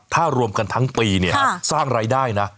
ถ้ารวมกันทั้งปีเนี่ยสร้างรายได้นะ